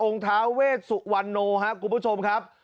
ท้าเวชสุวรรณโนครับคุณผู้ชมครับ